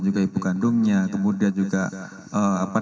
kemarin baik itu bapak kandungnya kemudian ibu tirinya kemudian